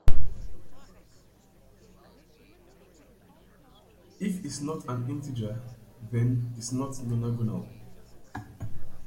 If is not an integer, then is not nonagonal.